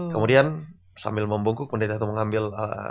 kemudian sambil membungkuk penderita itu mengambil